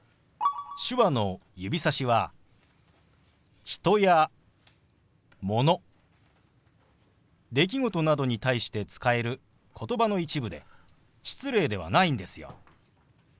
手話の指さしは人やもの出来事などに対して使える言葉の一部で失礼ではないんですよ。